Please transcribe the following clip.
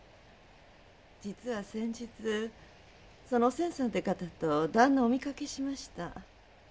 実は先日そのおせんさんって方と旦那をお見かけしました。